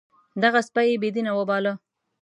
دغه سپی یې بې دینه وباله.